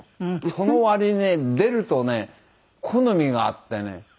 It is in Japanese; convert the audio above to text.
その割にね出るとね好みがあってね